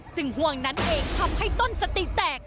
ซึ่งห่วงนั้นเองทำให้ต้นสติแตก